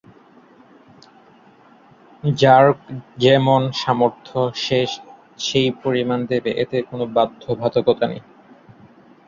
যার যেমন সামর্থ্য সে সেই পরিমাণ দেবে, এতে কোন বাধ্যবাধকতা নেই।